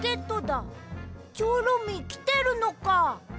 チョロミーきてるのか。